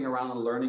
dari orang lain